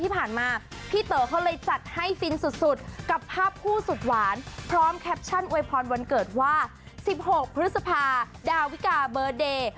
๑๖พฤษภาดาวิกาเบิร์ดเดย์